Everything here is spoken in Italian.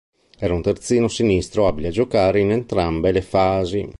Era un terzino sinistro abile a giocare in entrambe le fasi.